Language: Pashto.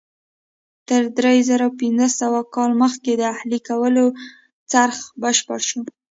تر درې زره پنځه سوه کاله مخکې د اهلي کولو څرخ بشپړ شو.